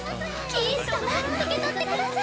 キース様受け取ってください。